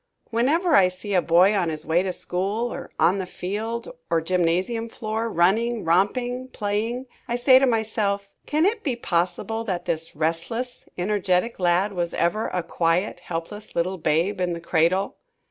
Whenever I see a boy on his way to school, or on the field or gymnasium floor, running, romping, playing, I say to myself, "Can it be possible that this restless, energetic lad was ever a quiet, helpless little babe in the cradle!"